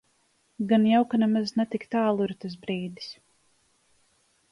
Gan jau, ka nemaz ne tik tālu ir tas brīdis.